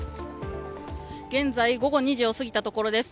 現在、午後２時を過ぎたところです。